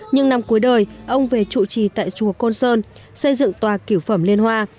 nhưng năm cuối đời ông về trụ trì tại chùa côn sơn xây dựng tòa cửu phẩm liên hoa